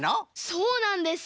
そうなんです。